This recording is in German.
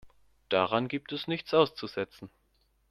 Daran gibt es nichts auszusetzen.